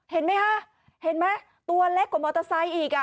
เห็นไหมคะเห็นไหมตัวเล็กกว่ามอเตอร์ไซค์อีกอ่ะ